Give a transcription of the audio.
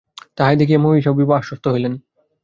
তাহাই দেখিয়া মহিষী ও বিভা আশ্বস্ত হইলেন!